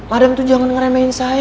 adam tuh jangan ngeremehin saya